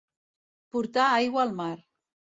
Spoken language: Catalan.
Portar aigua al mar.